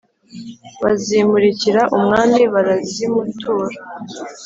bazimurikira umwami barazimutura.